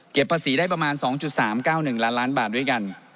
ภาษีได้ประมาณ๒๓๙๑ล้านล้านบาทด้วยกัน